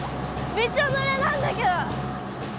めっちゃぬれたんだけど！